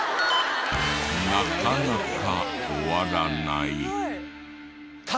なかなか終わらない。